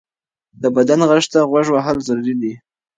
د بدن غږ ته غوږ وهل ضروري دی.